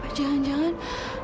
ah dengan refund